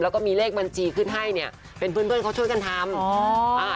แล้วก็มีเลขบัญชีขึ้นให้เนี่ยเป็นเพื่อนเพื่อนเขาช่วยกันทำ